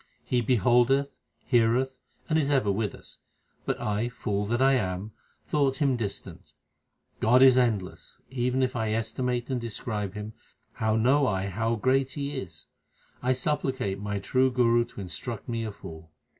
He beholdeth, heareth, and is ever with us ; but I, fool that I am, thought Him distant. God is endless ; even if I estimate and describe Him, how know I how great He is ? I supplicate my true Guru to instruct me a fool.